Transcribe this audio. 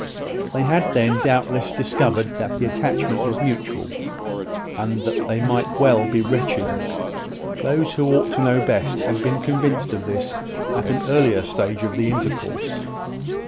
They had, then, doubtless discovered that the attachment was mutual; and they might well be wretched. Those who ought to know best had been convinced of this at an earlier stage of the intercourse.